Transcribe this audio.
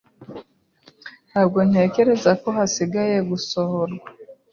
Ntabwo ntekereza ko hasigaye gukosorwa.